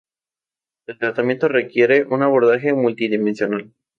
El tratamiento requiere un abordaje multidimensional.